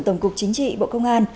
tổng cục chính trị bộ công an